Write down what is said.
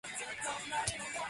Behrman to Cambridge.